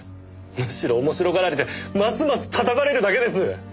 むしろ面白がられてますます叩かれるだけです。